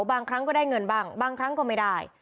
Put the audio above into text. บางครั้งก็ได้เงินบ้างบางครั้งก็ไม่ได้